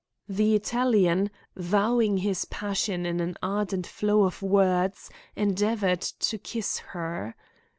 The Italian, vowing his passion in an ardent flow of words, endeavoured to kiss her.